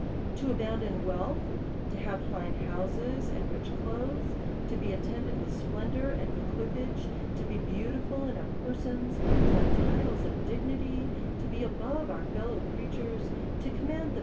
To abound ia wealth, to have fine houses and rich clothes, to be attended with splendour and equipage, to be beautiful in our persons, to have titles of digni ty, to be above our fellow creatures, to command the DEVOUT AND HOLY LIFE.